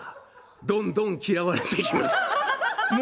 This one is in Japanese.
どんどん嫌われていきます。